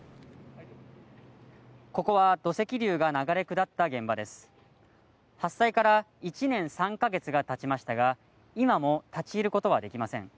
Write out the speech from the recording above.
ここは土石流が流れ下った現場です発災から１年３か月がたちましたが今も立ち入ることはできません